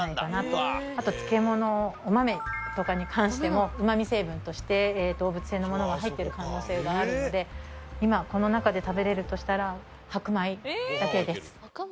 あと漬物お豆とかに関してもうまみ成分として動物性のものが入ってる可能性があるので今この中で食べられるとしたら白米だけです。